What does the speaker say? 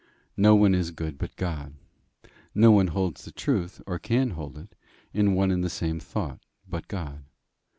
No one is good but God. No one holds the truth, or can hold it, in one and the same thought, but God.